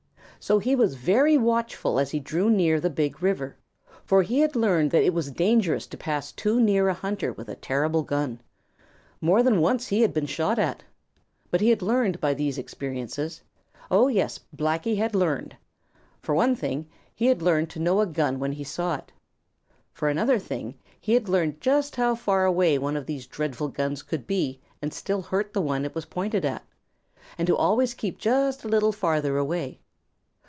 So he was very watchful as he drew near the Big River, for he had learned that it was dangerous to pass too near a hunter with a terrible gun. More than once he had been shot at. But he had learned by these experiences. Oh, yes, Blacky had learned. For one thing, he had learned to know a gun when he saw it. For another thing, he had learned just how far away one of these dreadful guns could be and still hurt the one it was pointed at, and to always keep just a little farther away.